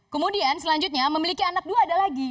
kemudian selanjutnya memiliki anak dua ada lagi